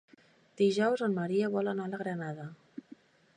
Dijous en Maria vol anar a la Granada.